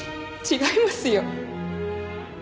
違いますよ。